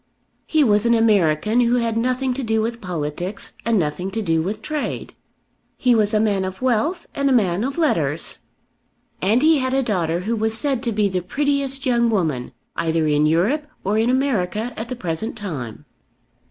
He was an American who had nothing to do with politics and nothing to do with trade. He was a man of wealth and a man of letters. And he had a daughter who was said to be the prettiest young woman either in Europe or in America at the present time.